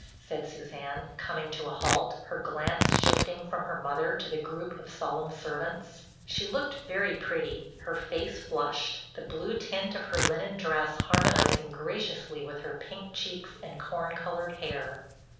said Suzanne, coming to a halt, her glance shifting from her mother to the group of solemn servants. She looked very pretty, her face flushed, the blue tint of her linen dress harmonizing graciously with her pink cheeks and corn colored hair.